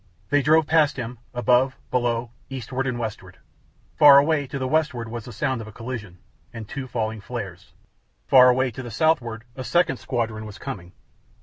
They drove past him, above, below, eastward and westward. Far away to the westward was the sound of a collision, and two falling flares. Far away to the southward a second squadron was coming.